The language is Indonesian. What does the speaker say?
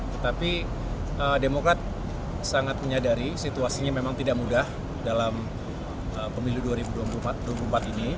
tetapi demokrat sangat menyadari situasinya memang tidak mudah dalam pemilu dua ribu dua puluh empat ini